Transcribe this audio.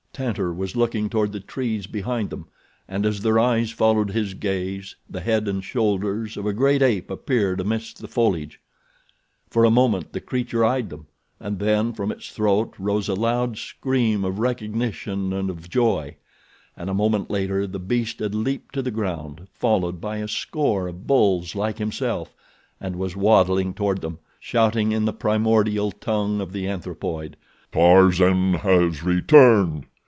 Tantor was looking toward the trees behind them, and as their eyes followed his gaze the head and shoulders of a great ape appeared amidst the foliage. For a moment the creature eyed them, and then from its throat rose a loud scream of recognition and of joy, and a moment later the beast had leaped to the ground, followed by a score of bulls like himself, and was waddling toward them, shouting in the primordial tongue of the anthropoid: "Tarzan has returned!